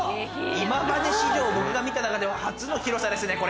今まで史上僕が見た中では初の広さですねこれ。